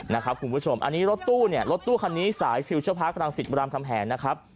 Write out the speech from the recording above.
นะครับคุณผู้ชมอันนี้รถตู้เนี่ยรถตู้คันนี้สายฟิลเชอร์พาร์ครังสิตบรามคำแหงนะครับ